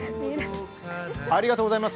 ありがとうございます。